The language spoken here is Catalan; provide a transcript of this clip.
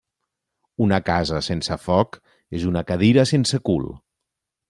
Una casa sense foc és una cadira sense cul.